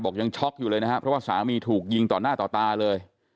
ยังช็อกอยู่เลยนะครับเพราะว่าสามีถูกยิงต่อหน้าต่อตาเลย